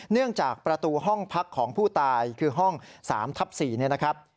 เนื่องจากประตูห้องพักของผู้ตายคือห้อง๓ทับ๔เนี่ยนะครับ